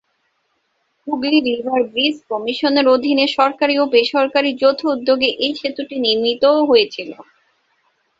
Hooghly River Bridge কমিশনের অধীনে সরকারি ও বেসরকারি যৌথ উদ্যোগে এই সেতুটি নির্মিত হয়েছিল।